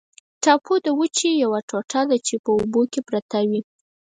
ټاپو د وچې یوه ټوټه ده چې په اوبو کې پرته وي.